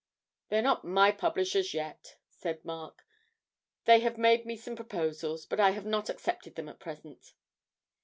'They are not my publishers yet,' said Mark; 'they have made me some proposals, but I have not accepted them at present.'